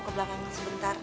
ke belakang sebentar